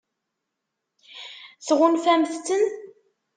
Tɣunfamt-ten?